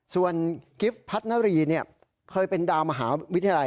ส่วนกิฟต์พัฒนารีเคยเป็นดาวมหาวิทยาลัย